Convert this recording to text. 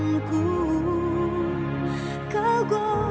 udah udah apa